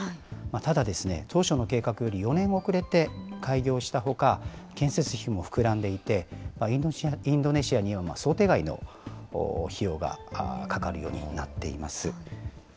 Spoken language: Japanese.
ただですね、当初の計画より４年遅れて開業したほか、建設費も膨らんでいて、インドネシアには想定外の費用がかかるようになっています。